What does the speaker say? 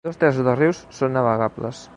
Dos terços dels rius són navegables.